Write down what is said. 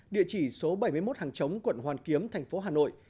địa chỉ số bảy mươi một hàng chống quận hoàn kiếm thành phố hà nội